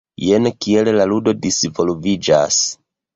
Jen kiel la ludo disvolviĝas.